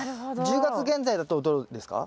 １０月現在だとどうですか？